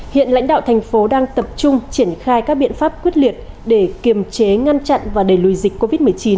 hiện lãnh đạo thành phố đang tập trung triển khai các biện pháp quyết liệt để kiềm chế ngăn chặn và đẩy lùi dịch covid một mươi chín